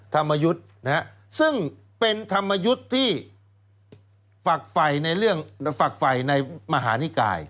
ธรรมยุทธ์ซึ่งเป็นธรรมยุทธ์ที่ฝักไฟในเรื่องฝักไฟในมหานิกาย